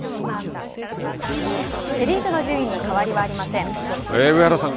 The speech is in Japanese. セ・リーグの順位に変わりはありません。